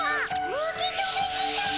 受け止めてたも。